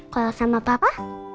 kalau sama papa